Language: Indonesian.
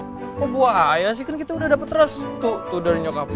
bukan kok bu aya sih kan kita udah dapet restu dari nyokap lo